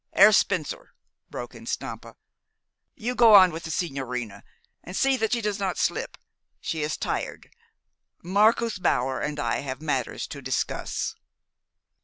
"Herr Spencer," broke in Stampa, "you go on with the sigñorina and see that she does not slip. She is tired. Marcus Bauer and I have matters to discuss."